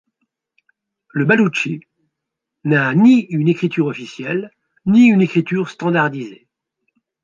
Le baloutchi n’a ni une écriture officielle, ni une écriture standardisée.